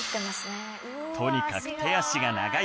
とにかく手足が長い